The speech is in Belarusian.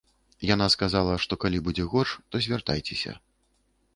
Яна сказала, што калі будзе горш, то звяртайцеся.